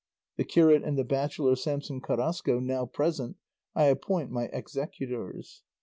The curate and the bachelor Samson Carrasco, now present, I appoint my executors.